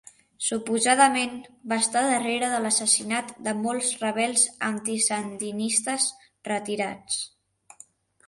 Suposadament, va estar darrere de l'assassinat de molts rebels anti-sandinistes retirats.